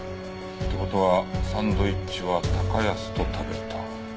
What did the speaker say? って事はサンドイッチは高安と食べた。